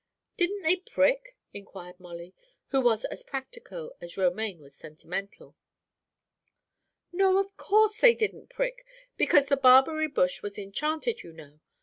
"Didn't they prick?" inquired Molly, who was as practical as Romaine was sentimental. "No, of course they didn't prick, because the barberry bush was enchanted, you know.